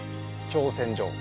挑戦状